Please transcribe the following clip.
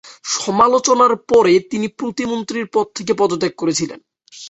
সমালোচনার পরে তিনি প্রতিমন্ত্রীর পদ থেকে পদত্যাগ করেছিলেন।